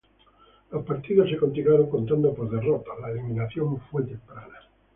Los partidos se continuaron contando por derrotas; la eliminación fue temprana.